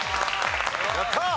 やったー！